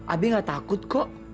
abi nggak takut kok